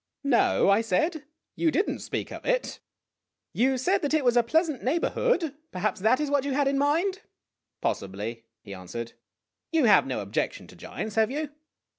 "No," I said; "you did n't speak of it. You said that it was a pleasant neighborhood. Perhaps that is what you had in mind." " Possibly," he answered. " You have no objection to giants, have you